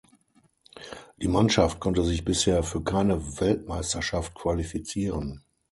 Die Mannschaft konnte sich bisher für keine Weltmeisterschaft qualifizieren.